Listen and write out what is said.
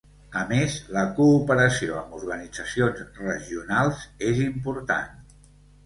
A més, la cooperació amb organitzacions regionals és important.